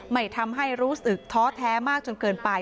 ไม่ทำให้รู้สึกท้อแท้มากจนเกินไป